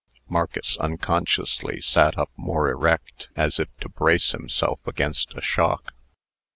Marcus unconsciously sat up more erect, as if to brace himself against a shock.